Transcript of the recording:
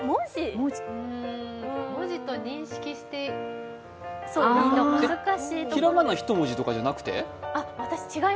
文字と認識していいのか平仮名一文字とかじゃなくて？